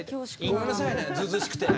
ごめんなさいねずうずうしくてね。